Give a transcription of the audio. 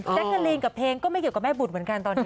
กะลีนกับเพลงก็ไม่เกี่ยวกับแม่บุตรเหมือนกันตอนนี้